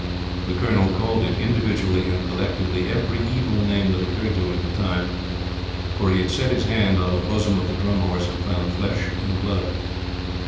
The Colonel called it, individually and collectively, every evil name that occurred to him at the time; for he had set his hand on the bosom of the Drum Horse and found flesh and blood.